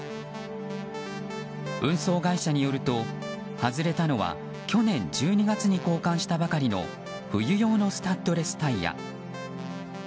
運送会社によると、外れたのは去年１２月に交換したばかりの冬用のスタッドレスタイヤ。